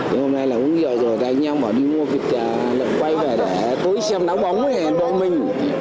hôm nay là cũng dạo rồi anh nhau bảo đi mua việc lợn quay và tối xem nắng bóng hẹn bọn mình